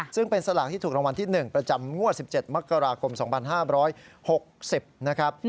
ซึ่งเป็นสลากที่ถูกรางวัลที่๑ประจำงวด๑๗มกราคม๒๕๖๐นะครับ